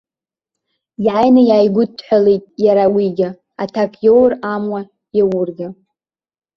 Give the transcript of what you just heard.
Иааины иааигәыдҳалеит иара уигьы, аҭак иоур амуа, иаургьы.